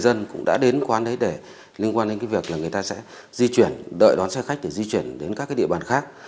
dân cũng đã đến quán đấy để liên quan đến cái việc là người ta sẽ di chuyển đợi đón xe khách để di chuyển đến các cái địa bàn khác